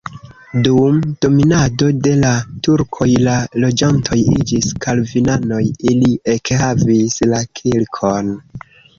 Dum dominado de la turkoj la loĝantoj iĝis kalvinanoj, ili ekhavis la kirkon.